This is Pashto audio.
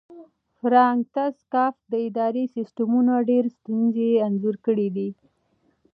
فرانتس کافکا د اداري سیسټمونو ډېرې ستونزې انځور کړې دي.